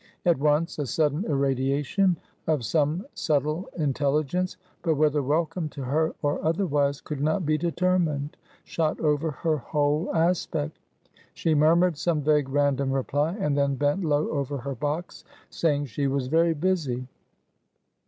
At once, a sudden irradiation of some subtile intelligence but whether welcome to her, or otherwise, could not be determined shot over her whole aspect. She murmured some vague random reply; and then bent low over her box, saying she was very busy.